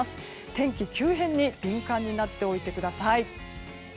天気急変に敏感になっておいてください。